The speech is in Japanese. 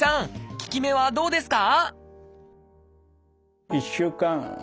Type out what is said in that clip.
効き目はどうですか？